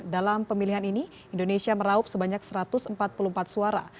dalam pemilihan ini indonesia meraup sebanyak satu ratus empat puluh empat suara